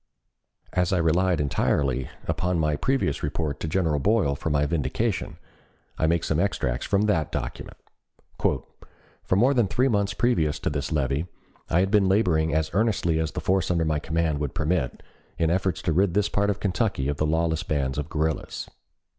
As I relied entirely upon my previous report to General Boyle for my vindication, I make some extracts from that document: "For more than three months previous to this levy, I had been laboring as earnestly as the force under my command would permit, in efforts to rid this part of Kentucky of the lawless bands of guerrillas.